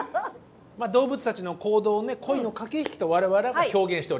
まあ動物たちの行動をね恋の駆け引きと我々は表現しておりますけども。